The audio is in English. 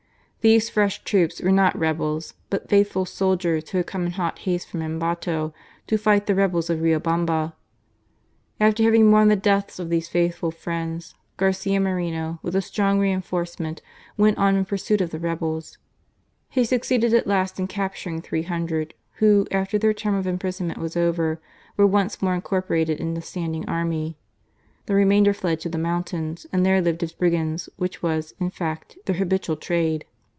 These fresh troops were not rebels but faithful soldiers who had come in hot haste from Ambato to fight the rebels of Riobamba. After having mourned the deaths of these faithful friends, Garcia Moreno, with a strong reinforcement, went on in pursuit of the rebels. He succeeded at last in capturing three hundred, who, after their term of imprisonment was over, were once more incorporated in the standing army. The remainder fled to the mountains and there lived as brigands, which was, in fact, their habitual trade.